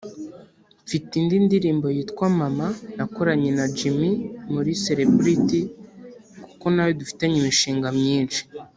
Mfite indi ndirimbo yitwa ’Mama’ nakoranye na Jimmy muri Celebrity kuko nawe dufitanye imishinga myinshi